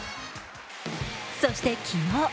そして昨日。